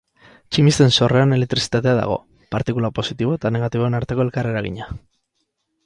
Tximisten sorreran elektrizitatea dago, partikula positibo eta negatiboen arteko elkar eragina.